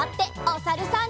おさるさん。